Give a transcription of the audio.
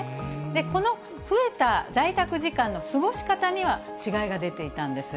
この増えた在宅時間の過ごし方には違いが出ていたんです。